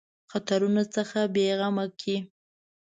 خطرونو څخه بېغمه کړي.